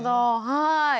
はい。